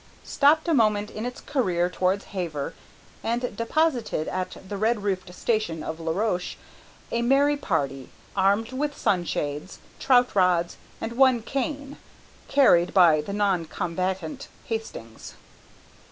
stopped a moment in its career towards Havre and deposited at the red roofed station of La Roche a merry party, armed with sunshades, trout rods, and one cane, carried by the non combatant, Hastings.